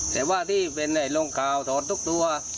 แต่ว่าที่เป็นในโรงการ์ดถอดทุกตัว